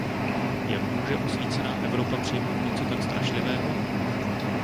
Jak může osvícená Evropa přijmout něco tak strašlivého?